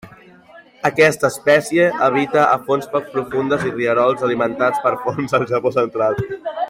Aquesta espècie habita a fonts poc profundes i rierols alimentats per fonts al Japó central.